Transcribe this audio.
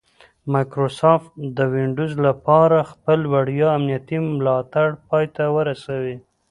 مایکروسافټ د ونډوز لپاره خپل وړیا امنیتي ملاتړ پای ته ورسوي